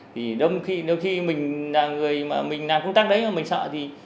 thì đôi khi mình làm công tác đấy mà mình sợ thì